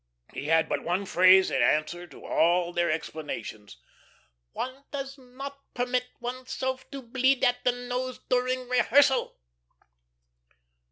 He had but one phrase in answer to all their explanations: "One does not permit one's self to bleed at the nose during rehearsal."